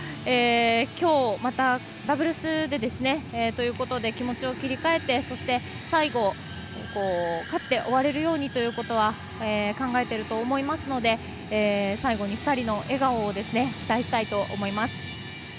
今日、またダブルスということで気持ちを切り替えてそして最後、勝って終われるようにということは考えていると思いますので最後に２人の笑顔を期待したいと思います。